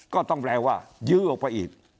ก็ต้องแปลว่ายื้อออกไปอีก